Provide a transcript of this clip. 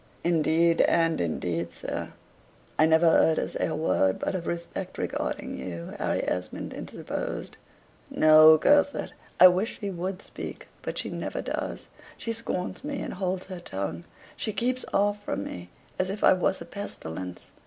"Indeed and indeed, sir, I never heard her say a word but of respect regarding you," Harry Esmond interposed. "No, curse it! I wish she would speak. But she never does. She scorns me, and holds her tongue. She keeps off from me, as if I was a pestilence.